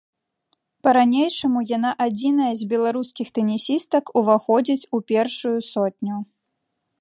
Па-ранейшаму яна адзіная з беларускіх тэнісістак уваходзіць у першую сотню.